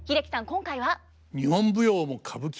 今回は？